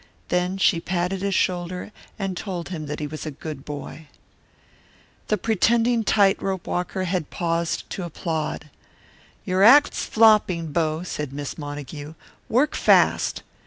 Then she patted his shoulder and told him that he was a good boy. The pretending tight rope walker had paused to applaud. "Your act's flopping, Bo," said Miss Montague. "Work fast."